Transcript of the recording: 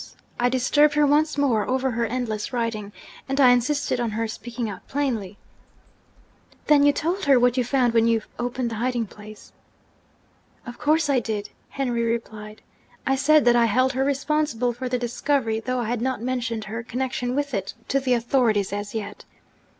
I disturbed her once more over her endless writing; and I insisted on her speaking out plainly.' 'Then you told her what you found when you opened the hiding place?' 'Of course I did!' Henry replied. 'I said that I held her responsible for the discovery, though I had not mentioned her connection with it to the authorities as yet.